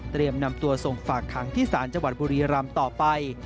เตรียมนำตัวส่งฝากขังที่ศาลจังหวัดบุรีรัมต์ต่อไป